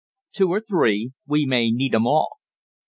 "Two or three. We may need 'em all."